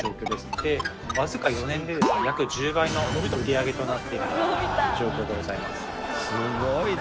でわずか４年でですね約１０倍の売り上げとなっている状況でございます。